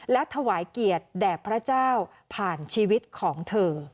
และถวายเกียรติแด่พระเจ้าผ่านชีวิตของเธอ